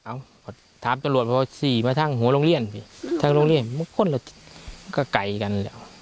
อ้าวก็ถามตำรวจคือ๔ไปทั่งหัวโรงเรียนที่มันโดนหัวรถชิดก็ไกลกัน